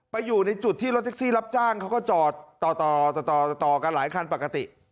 อยู่ในจุดที่รถแท็กซี่รับจ้างเขาก็จอดต่อต่อกันหลายคันปกติ